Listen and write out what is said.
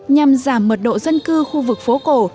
nhằm giảm mật độ dân cư khu vực phố cổ